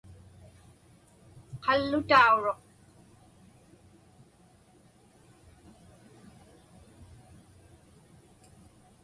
Qallutauruq.